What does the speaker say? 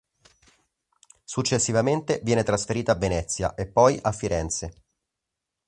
Successivamente viene trasferita a Venezia e poi a Firenze.